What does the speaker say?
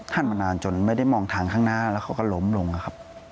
มานานจนไม่ได้มองทางข้างหน้าแล้วเขาก็ล้มลงครับ